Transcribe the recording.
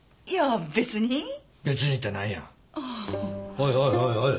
おいおいおいおい。